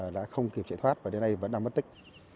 đã không kịp chạy thoát và đến nay vẫn đang mất tích